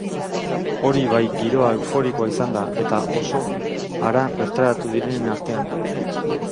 Hori bai, giroa euforikoa izan da oso hara bertaratu direnen artean.